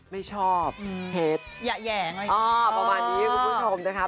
ไม่ชอบเผ็ดแหย่งอ๋อประมาณนี้คุณผู้ชมนะคะ